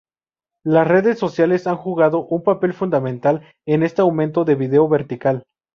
Las redes sociales han jugado un papel fundamental en este aumento del vídeo vertical.